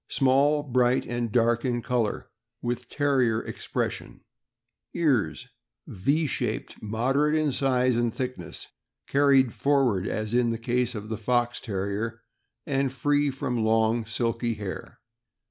— Small, bright, and dark in color, with Terrier expression. Ears. — Y shaped, moderate in size and thickness; car ried forward, as in the case of the Fox Terrier, and free from long, silky hair.